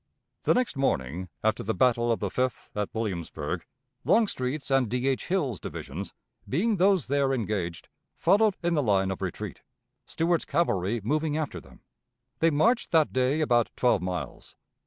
The next morning after the battle of the 5th, at Williamsburg, Longstreet's and D. H. Hill's divisions, being those there engaged, followed in the line of retreat, Stuart's cavalry moving after them they marched that day about twelve miles.